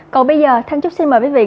còn bây giờ thanh trúc xin mời quý vị